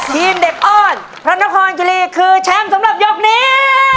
ทีมเด็กอ้อนพระนครกิลีคือแชมป์สำหรับยกนี้